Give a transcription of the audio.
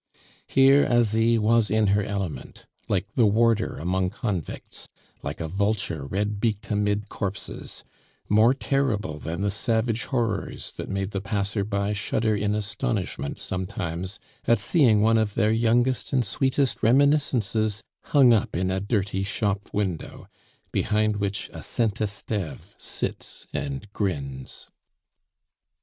Here Asie was in her element, like the warder among convicts, like a vulture red beaked amid corpses; more terrible than the savage horrors that made the passer by shudder in astonishment sometimes, at seeing one of their youngest and sweetest reminiscences hung up in a dirty shop window, behind which a Saint Esteve sits and grins.